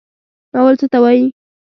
ناول څه ته وایي؟